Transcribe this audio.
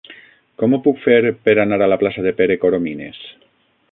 Com ho puc fer per anar a la plaça de Pere Coromines?